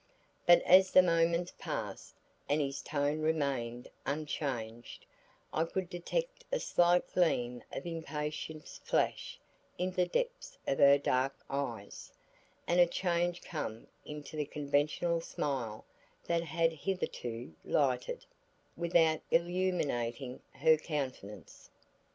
But as the moments passed, and his tone remained unchanged, I could detect a slight gleam of impatience flash in the depths of her dark eyes, and a change come into the conventional smile that had hitherto lighted, without illuminating her countenance.